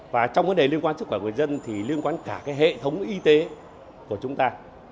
và trong vấn đề liên quan sức khỏe của người dân thì liên quan cả hệ thống y tế của chúng ta